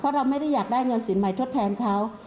เราไม่ได้อยากได้เงินสินใหม่ทดแทนเขา